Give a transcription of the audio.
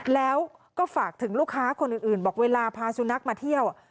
แล้วก็ฝากถึงลูกค้าคนอื่นบอกเวลาพาสุนัขมาเที่ยว